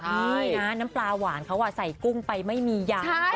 ใช่นะน้ำปลาหวานเขาใส่กุ้งไปไม่มียา